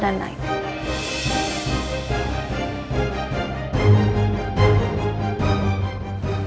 dan kalian berdua mabuk